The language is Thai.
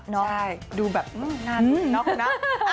ใช่ดูแบบหน้าดูดีเนอะครับ